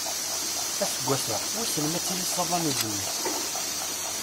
Aseggas-a, wissen ma ad tili ṣṣaba n uzemmur?